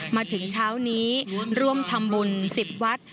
มาถึงเช้านี้ร่วมทำบุญ๑๐วัด